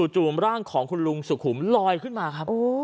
จู่ร่างของคุณลุงสุขุมลอยขึ้นมาครับ